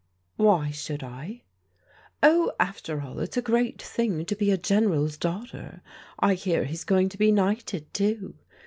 "*' Why should I ?"" Oh, after ally it's a great thing to be a Greneral's daughter. I hear he's going to be knighted, too.